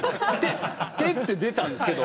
「手」って出たんですけど